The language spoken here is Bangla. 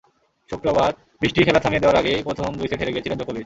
শুক্রবার বৃষ্টি খেলা থামিয়ে দেওয়ার আগেই প্রথম দুই সেট হেরে গিয়েছিলেন জোকোভিচ।